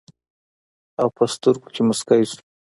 او پۀ سترګو کښې مسکے شو